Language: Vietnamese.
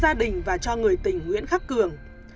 đi cung cho gia đình và cho người tình nguyễn khắc cường